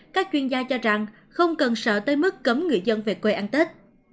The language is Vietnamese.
các chuyên gia cho rằng không cần sợ tới mức cấm người dân về quê ăn tết